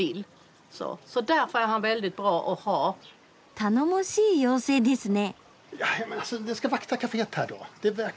頼もしい妖精ですね。